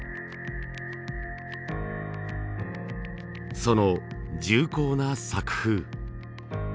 その重厚な作風。